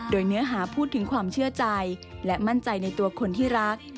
โดยเนื้อหาพูดถึงความเชื่อใจและมั่นใจในตัวคนที่รัก